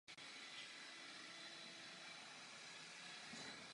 V tomto ohledu drží historický primát.